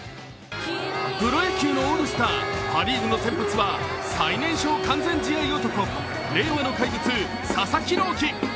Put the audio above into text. プロ野球のオールスターパ・リーグの先発は最年少完全試合男・令和の怪物佐々木朗希。